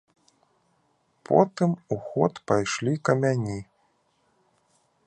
Потым у ход пайшлі камяні.